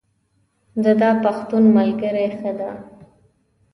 د تا پښتون ملګری ښه ده